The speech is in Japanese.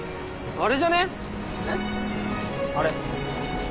あれ。